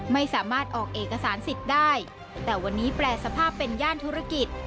ไม่สามารถออกเอกสารสิทธิ์ได้แต่วันนี้แปรสภาพเป็นย่านธุรกิจ